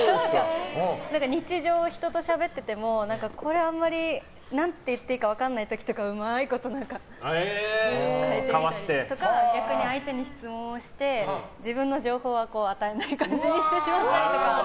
日常、人としゃべっててもこれあんまり何て言っていいか分からない時とかうまいことかわしてとか逆に相手に質問して自分の情報は与えない感じにしてしまったりとか。